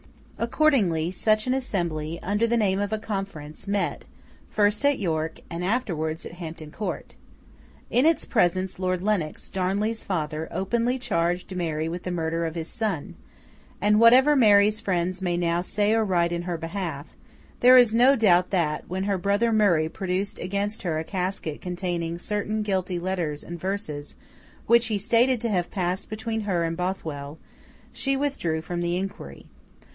Accordingly, such an assembly, under the name of a conference, met, first at York, and afterwards at Hampton Court. In its presence Lord Lennox, Darnley's father, openly charged Mary with the murder of his son; and whatever Mary's friends may now say or write in her behalf, there is no doubt that, when her brother Murray produced against her a casket containing certain guilty letters and verses which he stated to have passed between her and Bothwell, she withdrew from the inquiry.